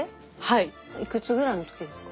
いくつぐらいの時ですか？